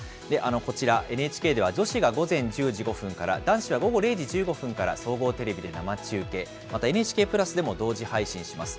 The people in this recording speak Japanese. こちら、ＮＨＫでは女子が午前１０時５分から、男子は午後０時１５分から総合テレビで生中継、またＮＨＫプラスでも同時配信します。